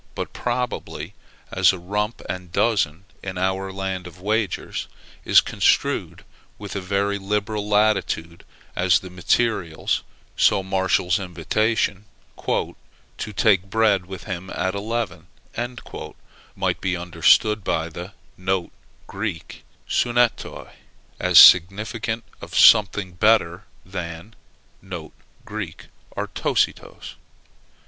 But probably, as a rump and dozen, in our land of wagers, is construed with a very liberal latitude as to the materials, so Martial's invitation, "to take bread with him at eleven," might be understood by the [Greek: sunetoi] as significant of something better than [Greek: artositos].